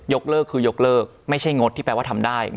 เลิกคือยกเลิกไม่ใช่งดที่แปลว่าทำได้